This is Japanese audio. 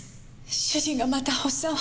主人がまた発作を。